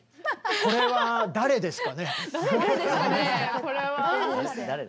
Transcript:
これは誰ですかね？